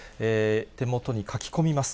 手元に書き込みます。